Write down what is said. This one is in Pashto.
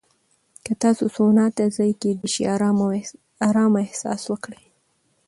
که تاسو سونا ته ځئ، کېدای شي ارامه احساس وکړئ.